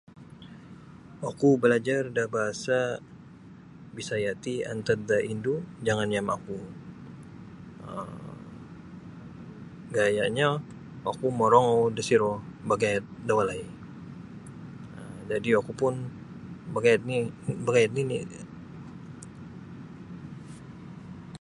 Oku balajar da bahasa Bisaya ti antad da indu jangan yamaku gayanyo oku morongou disiro bagayad da walai jadi oku pun bagayad nini bagayad nini.